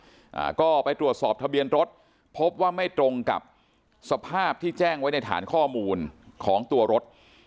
อ่าก็ไปตรวจสอบทะเบียนรถพบว่าไม่ตรงกับสภาพที่แจ้งไว้ในฐานข้อมูลของตัวรถ